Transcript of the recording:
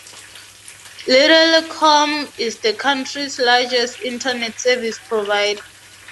Lattelecom is the country's largest internet service provider.